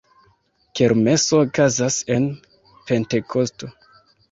Kermeso okazas en Pentekosto.